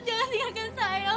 pak yang meninggal dulu pak